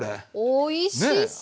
おいしそう！